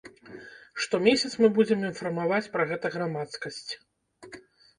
Штомесяц мы будзем інфармаваць пра гэта грамадскасць.